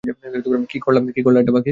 কি করলা এইডা বাকে?